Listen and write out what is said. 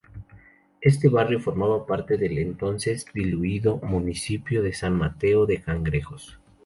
Este barrio formaba parte del entonces diluido municipio de San Mateo de Cangrejos.